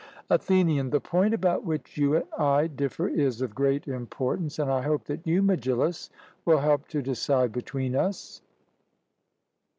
ATHENIAN: The point about which you and I differ is of great importance, and I hope that you, Megillus, will help to decide between us.